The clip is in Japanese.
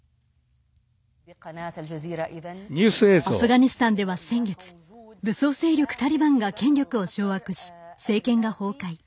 アフガニスタンでは、先月武装勢力タリバンが権力を掌握し政権が崩壊。